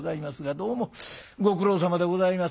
「どうもご苦労さまでございます。